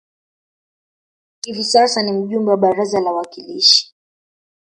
Hivi sasa ni mjumbe wa baraza la wawakilishi